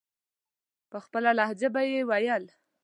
په خپله لهجه به یې ویل.